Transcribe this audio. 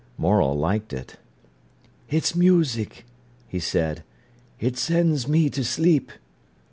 Morel liked it. "It's music," he said. "It sends me to sleep."